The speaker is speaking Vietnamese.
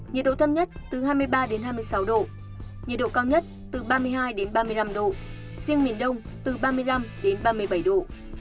nhiệt độ thấp nhất từ hai mươi ba đến hai mươi sáu độ nhiệt độ cao nhất từ ba mươi hai ba mươi năm độ riêng miền đông từ ba mươi năm đến ba mươi bảy độ